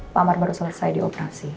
pak amar baru selesai dioperasi